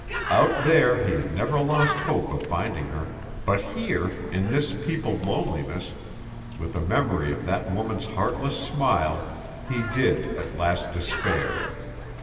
Out there he had never lost hope of finding her, but here, in this peopled loneliness, with a memory of that woman's heartless smile, he did at last despair.